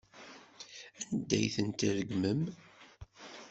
Anda ay tent-tregmem?